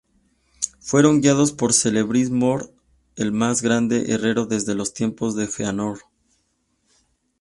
Fueron guiados por Celebrimbor, el más grande herrero desde los tiempos de Fëanor.